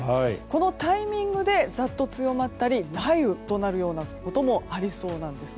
このタイミングでざっと強まったり雷雨となるようなこともありそうなんです。